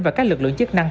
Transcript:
và các lực lượng chức năng